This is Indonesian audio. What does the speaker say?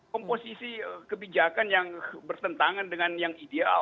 komposisi kebijakan yang bertentangan dengan yang ideal